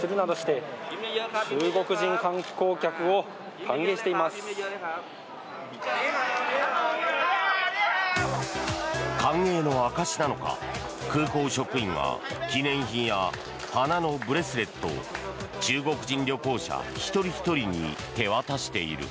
歓迎の証しなのか空港職員が記念品や花のブレスレットを中国人旅行者一人ひとりに手渡している。